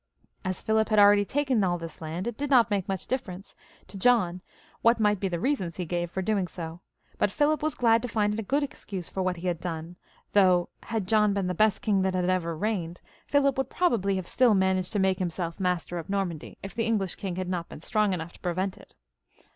As Philip had already taken all this land, it did not XVI.] PHILIP IL (A UGUSTE), 99 make much difference to John what might be the reasons he gave for doing so ; but Philip was glad to find a good excuse for what he had done, though, had John been the best king that ever reigned, Philip would probably have stiU managed to make himself master of N^ormandy, if the English king had not been strong enough to prevent it.